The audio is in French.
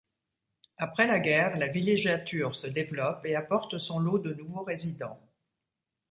Après la guerre, la villégiature se développe et apporte son lot de nouveaux résidents.